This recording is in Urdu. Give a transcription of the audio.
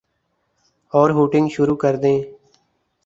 اورہوٹنگ شروع کردیں۔